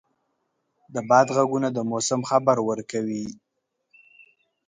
د باد ږغونه د موسم خبر ورکوي.